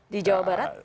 di jawa barat